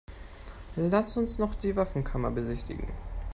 Lass uns noch die Waffenkammer besichtigen.